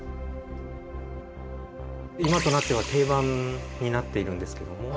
今となっては定番になっているんですけども。